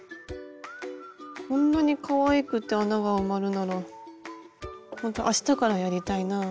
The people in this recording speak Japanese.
こんなにかわいくて穴が埋まるならほんとあしたからやりたいなあ。